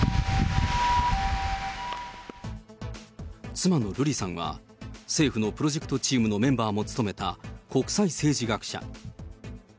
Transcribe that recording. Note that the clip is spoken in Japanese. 妻の瑠麗さんは、政府のプロジェクトチームのメンバーも務めた国際政治学者。